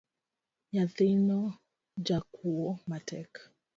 Nyathino jakuo matek.